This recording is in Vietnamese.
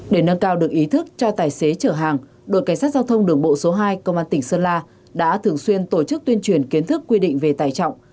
để nâng cao được ý thức cho tài xế chở hàng đội cảnh sát giao thông đường bộ số hai công an tỉnh sơn la đã thường xuyên tổ chức tuyên truyền kiến thức quy định về tài trọng